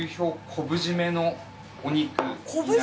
昆布締めのお肉？